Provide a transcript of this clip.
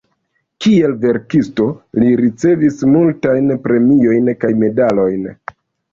Kiel verkisto, li ricevis multajn premiojn kaj medalojn.